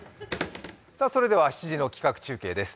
それでは７時の企画中継です。